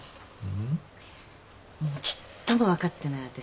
うん？ちっとも分かってない私。